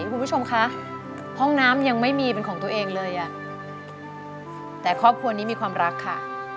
คุณผู้ชมคะห้องน้ำยังไม่มีเป็นของตัวเองเลยอ่ะแต่ครอบครัวนี้มีความรักค่ะ